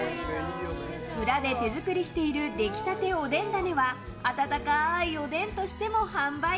裏で手作りしている出来たておでんダネは温かいおでんとしても販売。